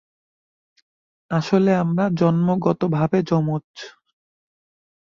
আসলে আমরা জন্মগতভাবে যমজ।